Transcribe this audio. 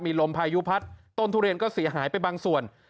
มีลมพายุพัดต้นทุเรียนก็เสียหายไปบางส่วน